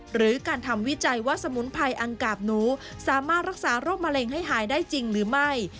หรือการทำวิจัยว่าสมุนไพอังกาบหนูสามารถรักษาโรคมะเร็งให้หายได้จริงหรือไม่